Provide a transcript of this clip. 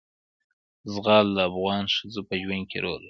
زغال د افغان ښځو په ژوند کې رول لري.